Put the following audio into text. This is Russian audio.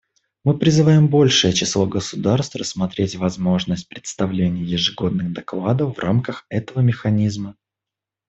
Мы призываем большее число государств рассмотреть возможность представления ежегодных докладов в рамках этого механизма.